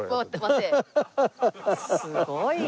すごいな。